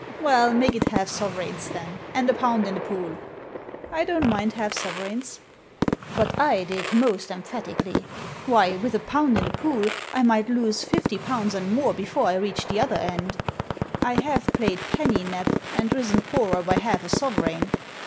" ''Well, make it half sovereigns then, and a pound in the pool" " I don't mind half sovereigns." But I did most emphatically. Why, with a pound in the pool, I might lose fifty pounds and more before I reached the other end. I have played penny Nap, and risen poorer by half a sovereign.